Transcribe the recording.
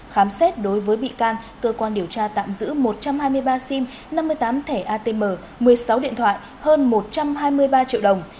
khám xét đối với bị can cơ quan điều tra tạm giữ một trăm hai mươi ba sim năm mươi tám thẻ atm một mươi sáu điện thoại hơn một trăm hai mươi ba triệu đồng